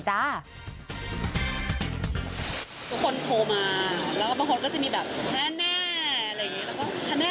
คนโทรมาแล้วบางคนก็จะมีแบบ